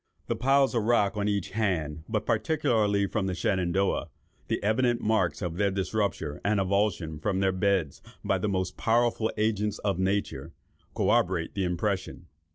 The piles of rock on each hand, but particularly on the Shenandoah—the evident marks of their disrupture and avulsion from their beds by the most powerful agents of nature, corroborate the impression.